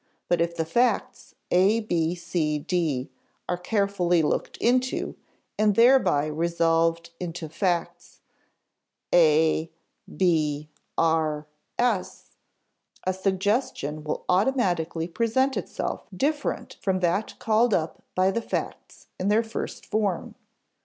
But if the facts A B C D are carefully looked into and thereby resolved into the facts A´ B´´ R S, a suggestion will automatically present itself different from that called up by the facts in their first form.